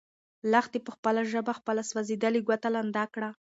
لښتې په خپله ژبه خپله سوځېدلې ګوته لنده کړه.